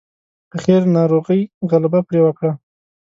اخير ناروغۍ غلبه پرې وکړه.